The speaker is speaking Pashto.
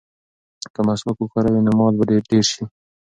که مسواک وکاروې نو مال به دې ډېر شي.